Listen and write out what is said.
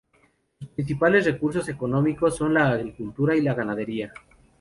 Sus principales recursos económicos son la agricultura y la ganadería.